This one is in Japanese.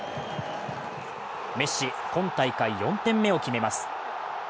メッシ、今大会４点目を決めます。